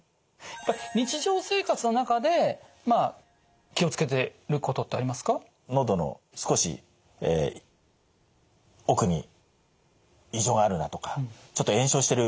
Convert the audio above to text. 日常生活の中でまあ気を付けてることってありますか？のどの少し奥に異常があるなとかちょっと炎症してる。